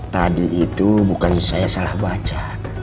tadi itu bukan saya salah baca